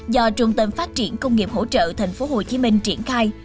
do trung tâm phát triển công nghiệp hỗ trợ tp hcm triển khai